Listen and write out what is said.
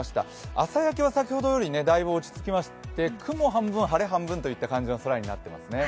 朝焼けは先ほどよりだいぶ落ち着きまして、雲半分、晴れ半分といった空になっています。